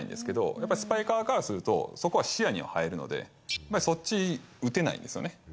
やっぱりスパイカー側からすると、そこは視野には入るので、そっち打てないんですよね。